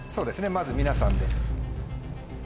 まず皆さんで。